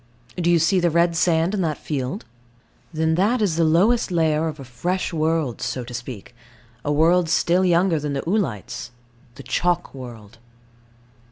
Do you see the red sand in that field? Then that is the lowest layer of a fresh world, so to speak; a world still younger than the oolites the chalk world.